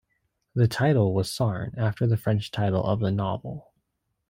The title was "Sarn", after the French title of the novel.